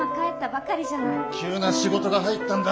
急な仕事が入ったんだ。